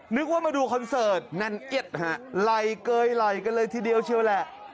นึกว่ามาดูคอนเสิร์ตแน่นเอียดฮะไหล่เกยไหล่กันเลยทีเดียวเชียวแหละ